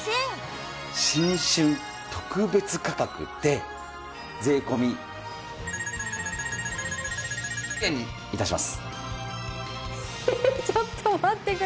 新春特別価格で税込円に致します。